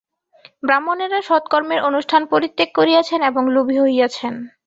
ব্রাহ্মণেরা সৎকর্মের অনুষ্ঠান পরিত্যাগ করিয়াছেন এবং লোভী হইয়াছেন।